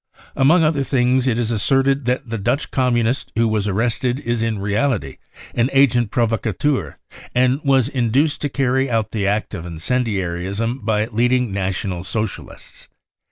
Among other things it is asserted that the Dutch Communist who was arrested is in reality an agent provocateur , and was induced to carry out the act of incendiarism by leading National Socialists.